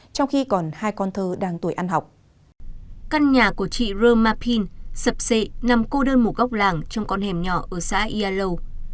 căn nhà của chị rơ ma pin sập xệ nằm cô đơn một góc làng trong con hẻm nhỏ ở xã yalow